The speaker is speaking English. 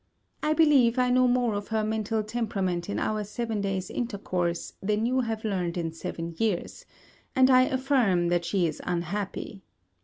I believe I know more of her mental temperament in our seven days intercourse than you have learned in seven years, and I affirm that she is unhappy.